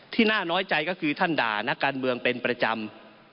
น่าน้อยใจก็คือท่านด่านักการเมืองเป็นประจำ